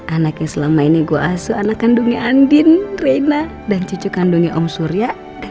anaknya selama ini gua asu anak kandungnya andin reina dan cucu kandungnya om surya dan